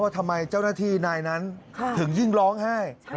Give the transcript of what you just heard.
ว่าทำไมเจ้านาธินายนั้นถึงยิ่งร้องไห้